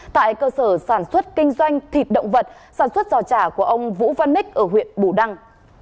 tại cơ sở sản xuất kinh doanh thịt động vật sản xuất giò chả của ông vũ văn ních ở huyện bù đăng